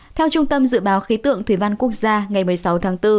theo trung tâm dự báo khí tượng thủy văn quốc gia ngày một mươi sáu tháng bốn